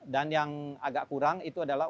yang agak kurang itu adalah